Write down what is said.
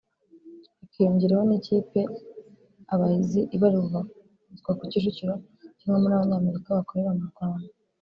hakiyongeraho n’ikipe Abahizi ibarizwa ku Kicukiro ikinwamo n’abanyamerika bakorera mu Rwanda